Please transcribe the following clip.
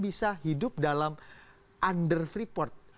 bisa hidup dalam under freeport